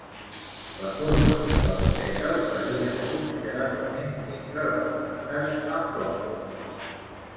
La forma dels pètals varia considerablement entre les plantes amb flors.